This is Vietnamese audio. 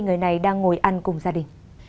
người này đang ngồi ăn cùng gia đình